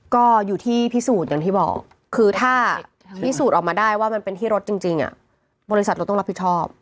ก็อยู่ที่พิสูจน์อย่างที่บอกคือถ้าพิสูจน์ออกมาได้ว่ามันเป็นที่รถจริงบริษัทรถต้องรับผิดชอบ